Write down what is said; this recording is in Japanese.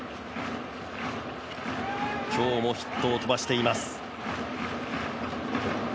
今日もヒットを飛ばしています。